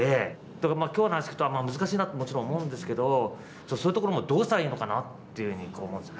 だけど今日の話聞くと難しいなってもちろん思うんですけどそういうところもどうしたらいいのかなっていうふうに思うんです。